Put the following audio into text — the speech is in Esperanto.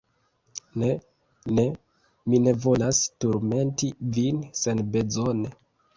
ne, ne, mi ne volas turmenti vin senbezone.